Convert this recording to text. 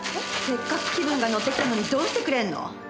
せっかく気分が乗ってきたのにどうしてくれんの！？